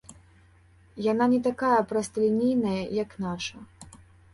Яна не такая просталінейная, як наша.